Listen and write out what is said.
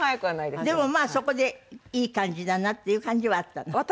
でもまあそこでいい感じだなっていう感じはあったの？